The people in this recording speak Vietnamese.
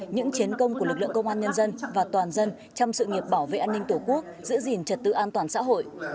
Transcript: những chiến công của lực lượng công an nhân dân và toàn dân trong sự nghiệp bảo vệ an ninh tổ quốc giữ gìn trật tự an toàn xã hội